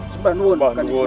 sembahanuun kanjeng sunan